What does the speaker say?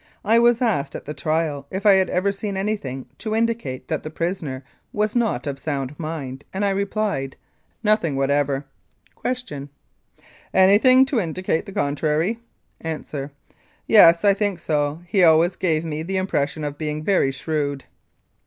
I was asked at the trial if I had ever seen anything to indicate that the prisoner was not of sound mind, and I replied, "Nothing whatever." Q. Anything to indicate the contrary? A. Yes, I think so, he always gave me the impression of being very shrewd.